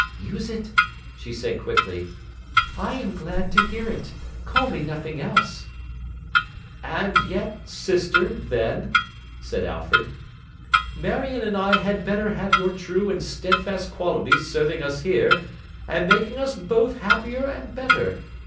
'Use it!' she said quickly. 'I am glad to hear it. Call me nothing else.' 'And yet, sister, then,' said Alfred, 'Marion and I had better have your true and steadfast qualities serving us here, and making us both happier and better.